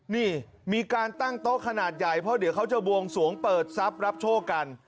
นี่มีการตั้งโต๊ะขนาดใหญ่เพราะเดี๋ยวเขาจะบวงสวงเปิดทรัพย์รับโชคกัน